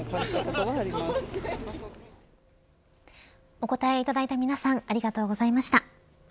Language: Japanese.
お答えいただいた皆さんありがとうございました。